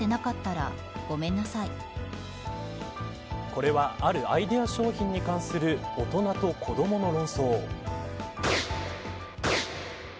これはあるアイデア商品に関する大人と子どもの論争。